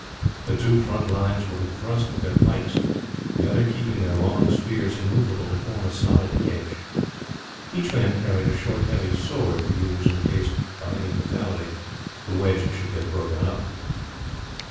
The two front lines were to thrust with their pikes, the others keeping their long spears immovable to form a solid hedge. Each man carried a short heavy sword to use in case, by any fatality, the wedge should get broken up.